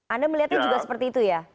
anda melihatnya juga seperti itu ya